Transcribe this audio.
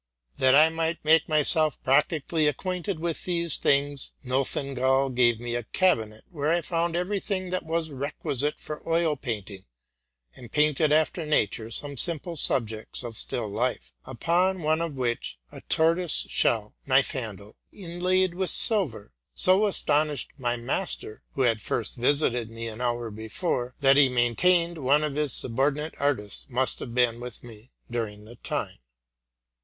That I might make myself practically acquainted with these things, Nothnagel gave me a little room, where I found every thing that was requisite for oil painting, and painted after nature some simple subjects of still life, one of which, a tortoise shell knife handle, inlaid with silver, so astonished my master who had last visited me an hour before, that he maintained one of his subordinate artists must have been with me during the time.